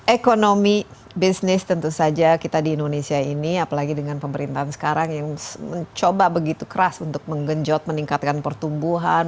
ekonomi bisnis tentu saja kita di indonesia ini apalagi dengan pemerintahan sekarang yang mencoba begitu keras untuk menggenjot meningkatkan pertumbuhan